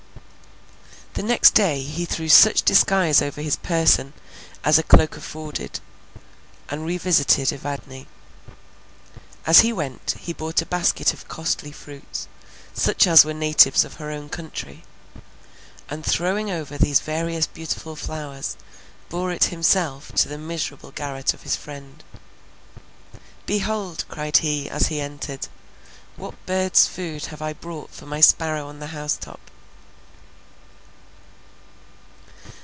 The next day he threw such disguise over his person as a cloak afforded, and revisited Evadne. As he went, he bought a basket of costly fruits, such as were natives of her own country, and throwing over these various beautiful flowers, bore it himself to the miserable garret of his friend. "Behold," cried he, as he entered, "what bird's food I have brought for my sparrow on the house top."